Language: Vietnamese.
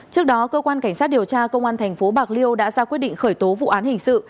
trước đó cơ quan cảnh sát điều tra công an thành phố bạc liêu đã ra quyết định khởi tố vụ án hình sự